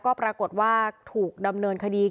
ก็ปรากฏว่าถูกดำเนินคดี